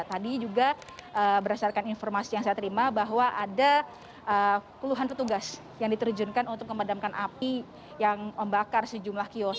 tadi juga berdasarkan informasi yang saya terima bahwa ada puluhan petugas yang diterjunkan untuk memadamkan api yang membakar sejumlah kios